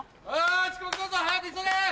遅刻だぞ早く急げ！